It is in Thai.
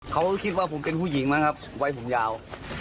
เขาคิดว่าผมเป็นผู้หญิงมั้งครับวัยผมยาว